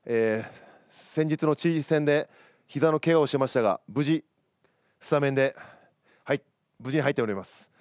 先日のチリ戦でひざのけがをしましたが無事、スタメンで入っております。